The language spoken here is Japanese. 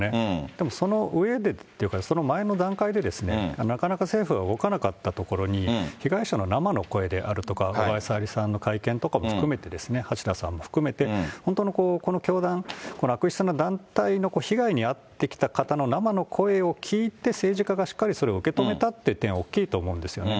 でも、その上でっていうか、その前の段階でなかなか政府が動かなかったところに被害者の生の声であるとか、小川さゆりさんの会見とかも含めて、橋田さんも含めて、本当のこの教団、この悪質な団体の被害に遭ってきた方の生の声を聞いて、政治家がしっかりそれを受け止めたっていう点は大きいと思うんですよね。